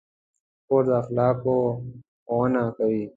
کورس د اخلاقو ښوونه کوي.